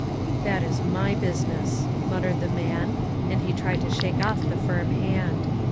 u That is my business," muttered the man, and he tried to shake off the firm hand.